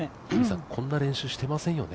こんな練習していませんよね？